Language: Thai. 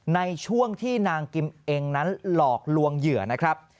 ในช่วงที่นางกิมเองนั้นหลอกลวงเหยื่อนะครับ